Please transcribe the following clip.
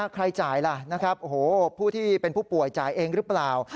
ใครจ่ายล่ะผู้ที่เป็นผู้ป่วยจ่ายเองหรือเปล่า